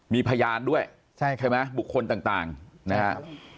มีพยานด้วยใช่ไหมบุคคลต่างนะครับ